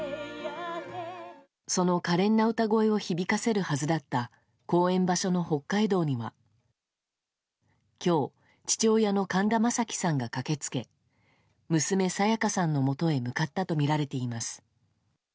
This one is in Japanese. その可憐な歌声を響かせるはずだった公演場所の北海道には今日、父親の神田正輝さんが駆け付け娘・沙也加さんのもとへ向かったとみられています。